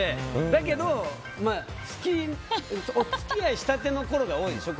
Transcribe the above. だけどおつきあいしたてのころが多いでしょ